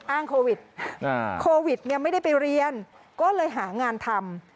อ้างโควิดโควิดไม่ได้ไปเรียนก็เลยหางานทำ